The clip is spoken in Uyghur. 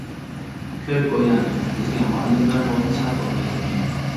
كۆپ ئويلاندىم، بىزگە مۇئەللىملەر بولمىسا بولمايدىكەن.